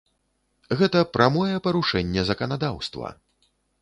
Гэта прамое парушэнне заканадаўства!